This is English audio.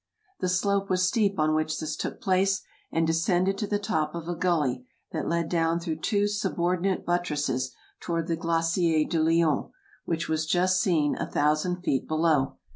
The slope was steep on which this took place, and de scended to the top of a gully that led down through two subordinate buttresses toward the Glacier du Lion, which was just seen, a thousand feet below.